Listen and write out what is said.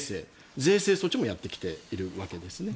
税制措置もやってきているわけですね。